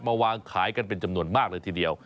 วางขายกันเป็นจำนวนมากเลยทีเดียว